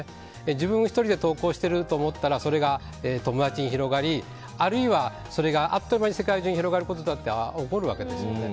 自分１人で投稿してると思ったらそれが友達に広がりあるいは、それがあっという間に世界中に広がることだって起こるわけですよね。